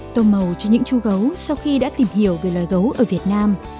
tô màu cho những chú gấu sau khi đã tìm hiểu về loài gấu ở việt nam